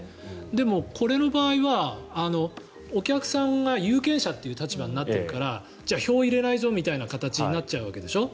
でも、これの場合は、お客さんが有権者という立場になってるからじゃあ、票を入れないぞみたいな形になっちゃうわけでしょ。